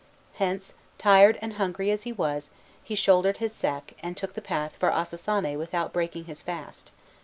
Hence, tired and hungry as he was, he shouldered his sack, and took the path for Ossossané without breaking his fast.